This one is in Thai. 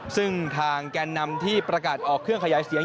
ซึ่งทางแกนนำที่ประกาศออกเครื่องขยายเสียง